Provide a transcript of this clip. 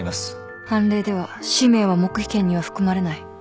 判例では氏名は黙秘権には含まれない